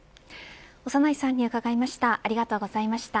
長内さんに伺いました。